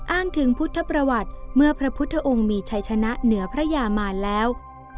อ้างถึงพุทธประวัติเมื่อพระพุทธองค์มีชัยชนะเหนือพระยามารแล้ว